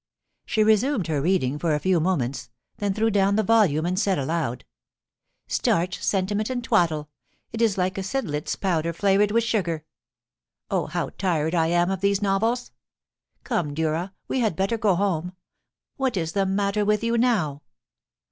She resumed her reading for a few moments, then threw down the volume and said aloud :* Starch, sentiment, and twaddle. It is like a seidlitz powder flavoured with sugar. Oh, how tired I am of these novels ! Come, Durra, we had better go home. What is the matter with you now